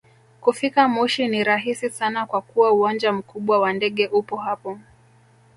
Kufika moshi ni rahisi sana kwa kuwa uwanja mkubwa wa ndege upo hapo